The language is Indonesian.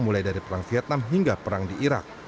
mulai dari perang vietnam hingga perang di irak